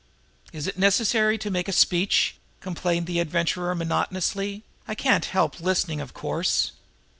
"Is it necessary to make a speech?" complained the Adventurer monotonously. "I can't help listening, of course."